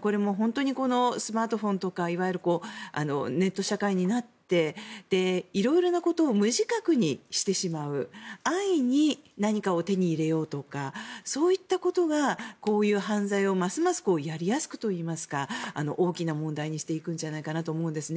これもスマートフォンとかいわゆるネット社会になって色々なことを無自覚にしてしまう安易に何かを手に入れようとかそういったことがこういう犯罪をますますやりやすくといいますか大きな問題にしていくんじゃないかなと思うんですね。